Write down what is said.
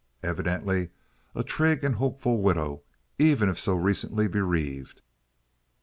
Evidently a trig and hopeful widow, even if so recently bereaved.